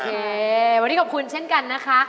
วันนี้ขอบคุณเช่นกันนะคะ